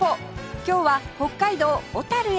今日は北海道小へ